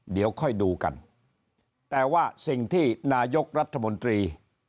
เดี๋ยวค่อยดูกันแต่ว่าสิ่งที่นายกรัฐมนตรี